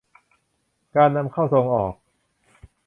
การนำเข้าส่งออก